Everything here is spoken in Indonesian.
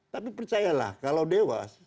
tapi percayalah kalau dewas